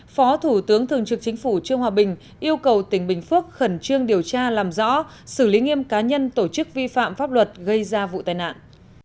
phó thủ tướng thường trực chính phủ trương hòa bình yêu cầu tỉnh bình phước khẩn trương điều tra làm rõ xử lý nghiêm cá nhân tổ chức vi phạm pháp luật gây ra vụ tai nạn